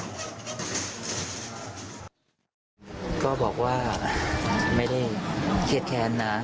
ก็บอกว่าไม่ได้เครียดแค้นนะ